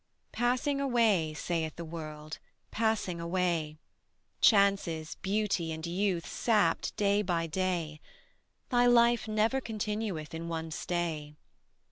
Passing away, saith the World, passing away: Chances, beauty and youth sapped day by day: Thy life never continueth in one stay.